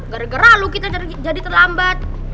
gara gara loh kita jadi terlambat